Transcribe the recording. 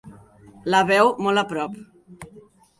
La veu molt a prop.